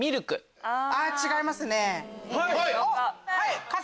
違いますね。